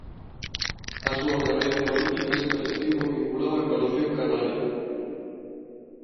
A súa carreira política sempre estivo vinculada a Coalición Canaria.